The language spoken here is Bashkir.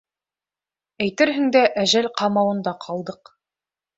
Әйтерһең дә, әжәл ҡамауында ҡалдыҡ.